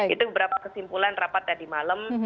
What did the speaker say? itu beberapa kesimpulan rapat tadi malam